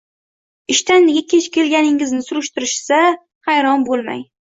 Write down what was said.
Ishdan nega kech kelganingizni surishtirsa, hayron bo‘lmang.